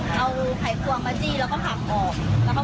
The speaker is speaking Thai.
เอาไขควงมาจี้แล้วก็ผักออก